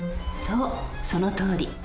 そうそのとおり。